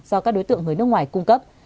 do các đối tượng người nước ngoài cung cấp